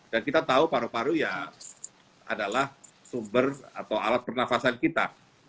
dan kita tahu paru paru ya adalah sumber atau alat pernafasan kita